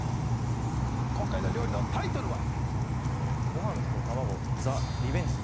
今回の料理のタイトルは？